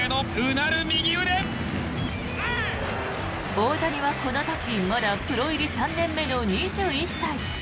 大谷はこの時まだプロ入り３年目の２１歳。